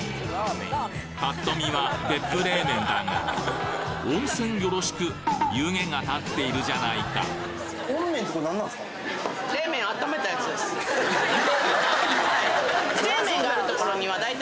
パッと見は別府冷麺だが温泉よろしく湯気が立っているじゃないかえ！